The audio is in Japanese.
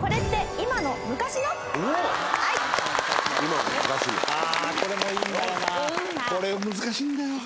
これ難しいんだよ。